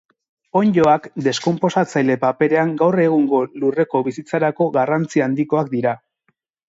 Onddoak, deskonposatzaile paperean, gaur egungo lurreko bizitzarako garrantzi handikoak dira.